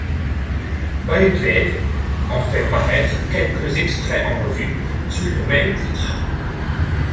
Boylesve en fait paraître quelques extraits en revue, sous ce même titre.